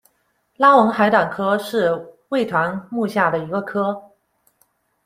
拉文海胆科是猬团目下的一个科。